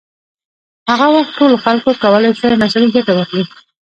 هغه وخت ټولو خلکو کولای شوای مساوي ګټه واخلي.